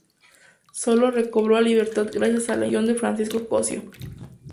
Sólo recobró la libertad gracias a la intercesión de Francisco Cossío.